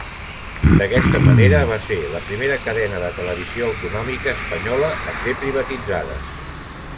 D'aquesta manera, va ser la primera cadena de televisió autonòmica espanyola a ser privatitzada.